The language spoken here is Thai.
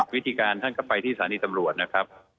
วิธีการท่านก็ไปที่สถานีตำรวจนะครับ